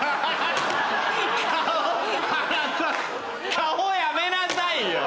顔やめなさいよ！